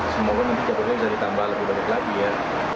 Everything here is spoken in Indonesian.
semoga nanti cabarnya bisa ditambah lebih banyak lagi ya